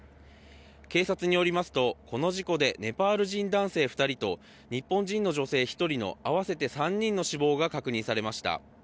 警察によりますと、この事故でネパール人男性２人と日本人の女性１人の合わせて３人の死亡が確認されました。